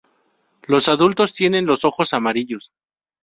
Los adultos tienen los ojos amarillos.